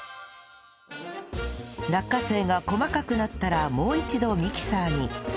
落花生が細かくなったらもう一度ミキサーに